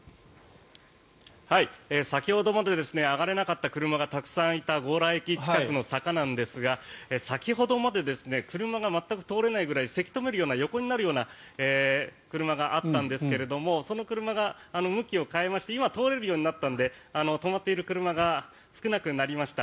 先ほどまで上がれなかった車がたくさんいた強羅駅近くの坂なんですが先ほどまで車が全く通れないぐらいせき止めるような横になるような車があったんですがその車が向きを変えまして今、通れるようになったので止まっている車が少なくなりました。